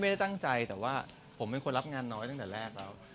ไม่ได้ตั้งใจแต่ว่าผมเป็นคนรับงานน้อยตั้งแต่แรกแล้ว